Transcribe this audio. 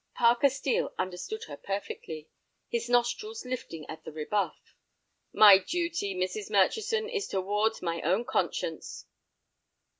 Parker Steel understood her perfectly, his nostrils lifting at the rebuff. "My duty, Mrs. Murchison, is towards my own conscience."